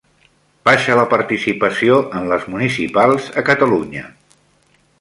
Baixa la participació en les municipals a Catalunya